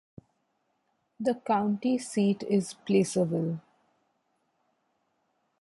The county seat is Placerville.